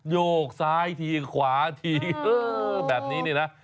โยกซ้ายทีขวาทีแบบนี้เนี่ยนะ